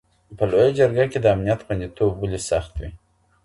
په لویه جرګه کي د امنیت خوندیتوب ولي سخت وي؟